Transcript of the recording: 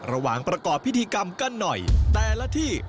ระหว่างประกอบพิธีกรรมกันหน่อยแต่ละที่